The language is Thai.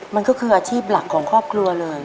มันก็คืออาชีพหลักของครอบครัวเลย